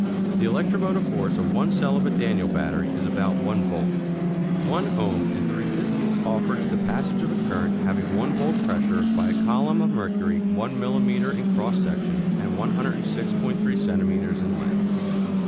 The electromotive force of one cell of a Daniell battery is about one volt. One ohm is the resistance offered to the passage of a current having one volt pressure by a column of mercury one millimeter in cross section and 106.3 centimeters in length.